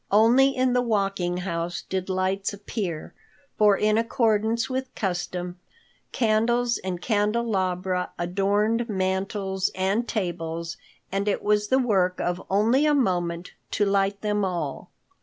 Only in the Walking House did lights appear, for in accordance with custom, candles and candelabra adorned mantels and tables, and it was the work of only a moment to light them all.